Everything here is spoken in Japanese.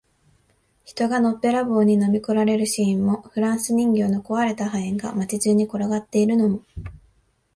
人がのっぺらぼうに飲み込まれるシーンも、フランス人形の壊れた破片が街中に転がっているのも、